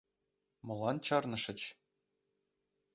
— Молан чарнышыч?